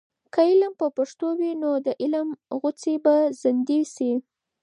که علم په پښتو وي، نو د علم غوڅۍ به زندې سي.